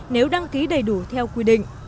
nếu đăng ký đầy đủ theo quy định